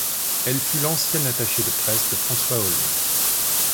Elle fut l'ancienne attachée de presse de François Hollande.